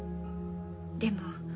でも